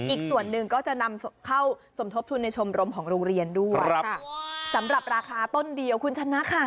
อีกส่วนหนึ่งก็จะนำเข้าสมทบทุนในชมรมของโรงเรียนด้วยค่ะสำหรับราคาต้นเดียวคุณชนะค่ะ